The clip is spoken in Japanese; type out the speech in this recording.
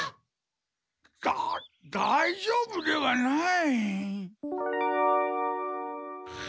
だだいじょうぶではない。